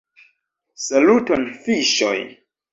Saluton fiŝoj